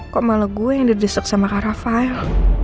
kok malah gue yang didesak sama kak rafael